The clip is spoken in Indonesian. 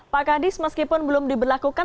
pak kadis meskipun belum diberlakukan